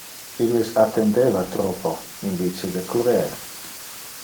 Illes attendeva troppo, in vice de currer.